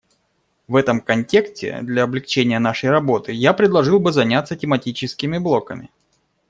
В этом контексте для облегчения нашей работы я предложил бы заняться тематическими блоками.